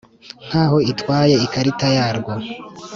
Nk'aho itwaye ikarita yarwo